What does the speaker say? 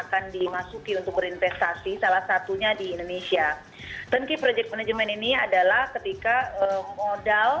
kementerian tenaga kerja asing mencapai satu ratus dua puluh enam orang